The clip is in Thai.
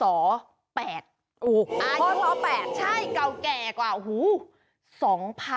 โอ้โฮพศ๘ใช่เก่าแก่กว่าโอ้โฮ